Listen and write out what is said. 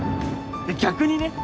逆にね！